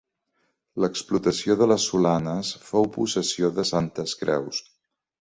L'explotació de les Solanes fou possessió de Santes Creus.